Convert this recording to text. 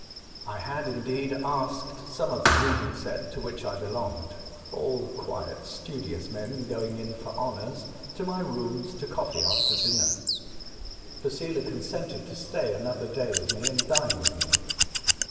I had, indeed, asked some of the reading set to which I belonged — all quiet, studious men, going in for honours — to my rooms to coffee after dinner. Posela consented to stay another day with me, and dine with me.